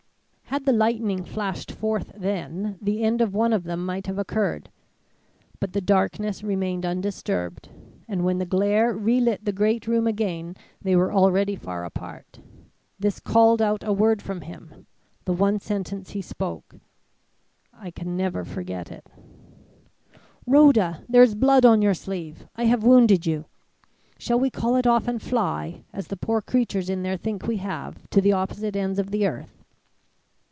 "Had the lightning flashed forth then, the end of one of them might have occurred. But the darkness remained undisturbed, and when the glare relit the great room again, they were already far apart. This called out a word from him; the one sentence he spoke I can never forget it: "'Rhoda, there is blood on your sleeve; I have wounded you. Shall we call it off and fly, as the poor creatures in there think we have, to the opposite ends of the earth?'